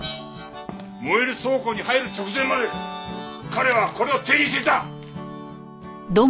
燃える倉庫に入る直前まで彼はこれを手にしていた！